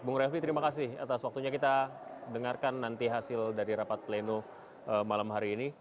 bung revi terima kasih atas waktunya kita dengarkan nanti hasil dari rapat pleno malam hari ini